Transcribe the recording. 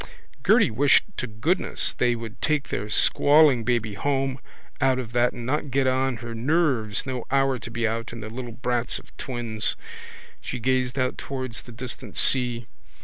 Gerty wished to goodness they would take their squalling baby home out of that and not get on her nerves, no hour to be out, and the little brats of twins. She gazed out towards the distant sea.